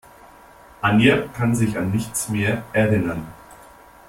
Anja kann sich an nichts mehr erinnern.